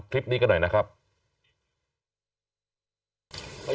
เบื้องต้น๑๕๐๐๐และยังต้องมีค่าสับประโลยีอีกนะครับ